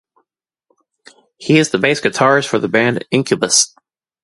He is the bass guitarist for the band Incubus.